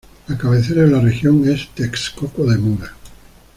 La cabecera de la región es Texcoco de Mora.